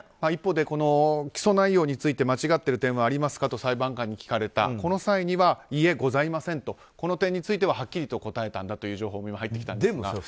一方で起訴内容について間違っている点はありますかと裁判官に聞かれた際にはいいえ、ございませんとこの点についてははっきりと答えたんだという情報も入ってきたんですが。